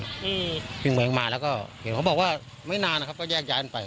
อืมพิงเมืองมาแล้วก็เห็นเขาบอกว่าไม่นานนะครับก็แยกย้ายกันไป